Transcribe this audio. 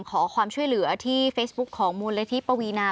ขอความช่วยเหลือที่เฟซบุ๊คของมูลนิธิปวีนา